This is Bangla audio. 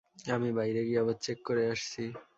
আমি বাইরে গিয়ে আবার চেক করে আসছি।